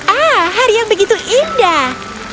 ah hari yang begitu indah